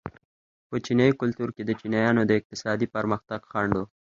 په چینايي کلتور کې د چینایانو د اقتصادي پرمختګ خنډ و.